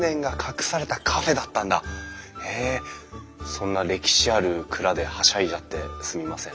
そんな歴史ある蔵ではしゃいじゃってすみません。